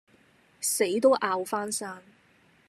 死都拗返生